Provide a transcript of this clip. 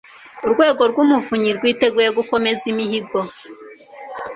urwego rw umuvunyi rwiteguye gukomeza imihigo